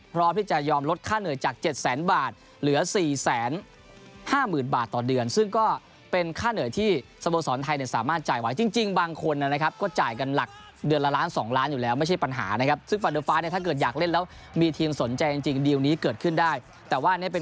พร้อมที่จะยอมลดค่าเหนื่อยจาก๗แสนบาทเหลือ๔๕๐๐๐บาทต่อเดือนซึ่งก็เป็นค่าเหนื่อยที่สโมสรไทยเนี่ยสามารถจ่ายไว้จริงบางคนนะครับก็จ่ายกันหลักเดือนละล้าน๒ล้านอยู่แล้วไม่ใช่ปัญหานะครับซึ่งฟาเดอร์ฟ้าเนี่ยถ้าเกิดอยากเล่นแล้วมีทีมสนใจจริงดีลนี้เกิดขึ้นได้แต่ว่าเนี่ยเป็น